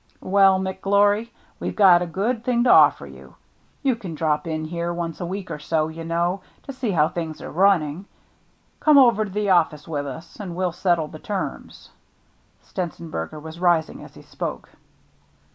Well, McGlory, we've got a good thing to offer you. You can drop in here once a week or so, you know, to see how things are running. Come over to the office with us and we'll settle the terms." Stenzen berger was rising as he spoke.